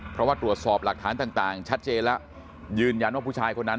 เพราะว่าตรวจสอบหลักฐานต่างชัดเจนแล้วยืนยันว่าผู้ชายคนนั้น